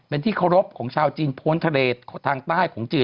เป็นที่เคารพของชาวจีนพ้นทะเลทางใต้ของจีน